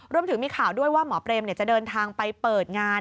รวมถึงมีข่าวด้วยว่าหมอเปรมจะเดินทางไปเปิดงาน